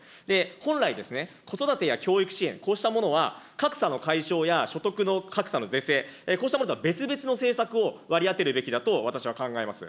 本来、子育てや教育支援、こうしたものは、格差の解消や所得の格差の是正、こうしたことは別々の政策を割り当てるべきだと私は考えます。